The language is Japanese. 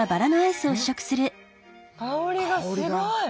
香りがすごい！